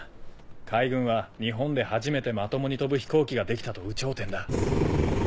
海軍は日本で初めてまともに飛ぶ飛行機が出来たと有頂天だ。